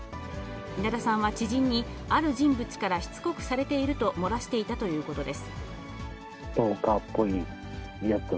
稲田さんは知人に、ある人物からしつこくされていると漏らしていたということです。